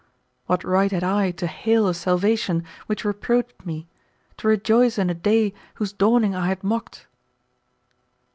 What right had I to hail a salvation which reproached me, to rejoice in a day whose dawning I had mocked?